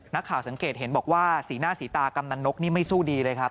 นักข่าวสังเกตเห็นบอกว่าสีหน้าสีตากำนันนกนี่ไม่สู้ดีเลยครับ